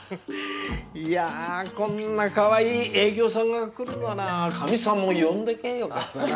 いやあこんなかわいい営業さんが来るならカミさんも呼んどきゃよかったな。